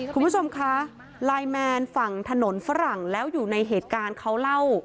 คุณผู้ชมคะไลน์แมนฝั่งถนนฝรั่งแล้วอยู่ในเหตุการณ์เขาเล่า